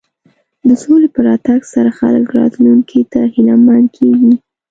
د سولې په راتګ سره خلک راتلونکي ته هیله مند کېږي.